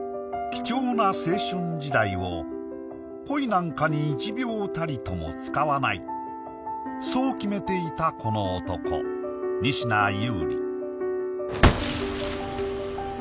貴重な青春時代を恋なんかに１秒たりとも使わないそう決めていたこの男仁科悠里